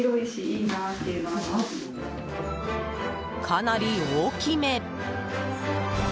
かなり大きめ！